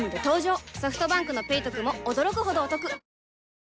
ソフトバンクの「ペイトク」も驚くほどおトク